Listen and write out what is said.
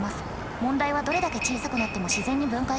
問題はどれだけ小さくなっても自然に分解しないこと。